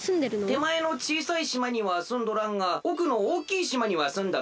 てまえのちいさいしまにはすんどらんがおくのおおきいしまにはすんどるぞ。